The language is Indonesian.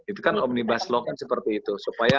itu kan omnibus law kan seperti itu